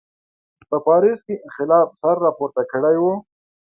په پاریس کې انقلاب سر راپورته کړی و.